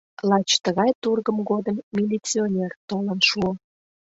Лач тыгай тургым годым милиционер толын шуо.